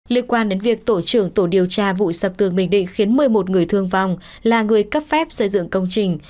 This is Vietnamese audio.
liên quan đến việc tổ trưởng tổ điều tra vụ sập tường bình định khiến một mươi một người thương vong là người cấp phép xây dựng công trình